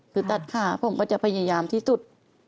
คือตัดขาผมก็จะพยายามที่สุด